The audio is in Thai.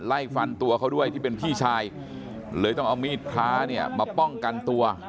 ไล่ฟันตัวเขาด้วยที่เป็นพี่ชายเลยต้องเอามีดพระเนี่ยมาป้องกันตัว